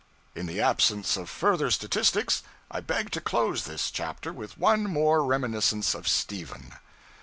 In the absence of further statistics, I beg to close this chapter with one more reminiscence of 'Stephen.'